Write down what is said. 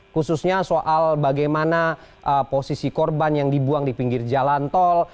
khususnya soal bagaimana posisi korban yang dibuang di pinggir jalan tol